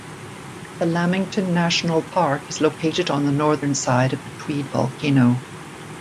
The Lamington National Park is located on the northern side of the Tweed volcano.